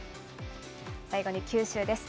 最後に九州です。